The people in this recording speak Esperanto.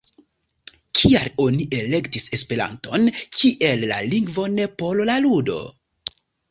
Kial oni elektis Esperanton kiel la lingvon por la ludo?